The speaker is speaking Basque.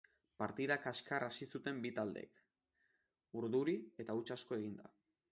Partida kaskar hasi zuten bi takdeek, urduri eta huts asko eginda.